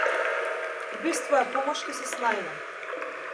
И без твоја помош ќе се снајдам.